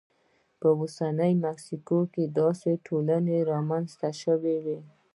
په اوسنۍ مکسیکو کې داسې ټولنې رامنځته شوې وې